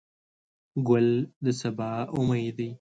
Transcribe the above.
ګل د سبا امید دی.